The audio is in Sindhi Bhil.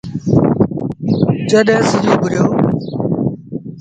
جڏهيݩ سڄ اُڀريو ۔